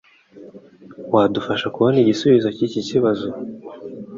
Wadufasha kubona igisubizo cyikibazo?